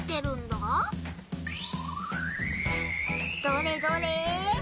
どれどれ？